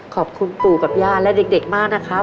ขอบคุณปู่กับย่าและเด็กมากนะครับ